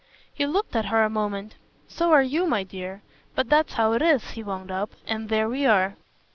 He looked at her a moment. "So are you, my dear. But that's how it is," he wound up; "and there we are."